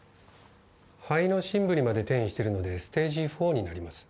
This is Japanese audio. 肺の深部にまで転移してるのでステージ４になります。